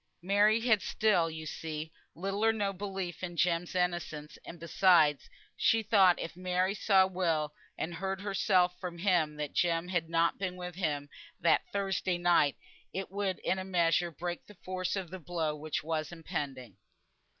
Margaret had still, you see, little or no belief in Jem's innocence; and besides, she thought if Mary saw Will, and heard herself from him that Jem had not been with him that Thursday night, it would in a measure break the force of the blow which was impending.